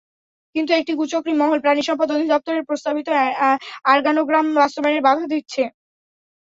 কিন্তু একটি কুচক্রী মহল প্রাণিসম্পদ অধিদপ্তরের প্রস্তাবিত অর্গানোগ্রাম বাস্তবায়নে বাধা দিচ্ছে।